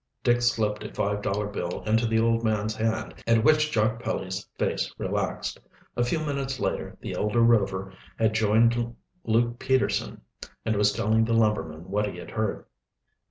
Dick slipped a five dollar bill into the old man's hand, at which Jock Pelly's face relaxed. A few minutes later the elder Rover had joined Luke Peterson and was telling the lumberman what he had heard.